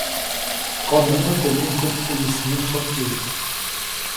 Konämä teʼ mij mgupkuʼyis myusokyuʼy.